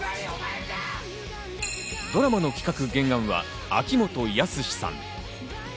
ドラマの企画・原案は秋元康さん。